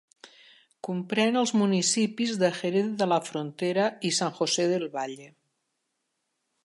Comprèn els municipis de Jerez de la Frontera i San José del Valle.